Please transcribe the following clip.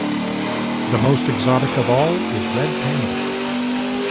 The most exotic of all is Red Panda.